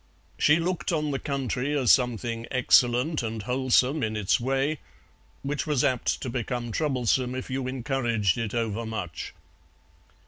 She looked on the country as something excellent and wholesome in its way, which was apt to become troublesome if you encouraged it overmuch.